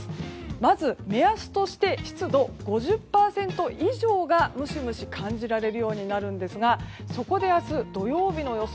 まず目安として湿度５０％以上がムシムシと感じられるようになるんですがそこで明日、土曜日の予想